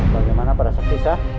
bagaimana para sepsis ya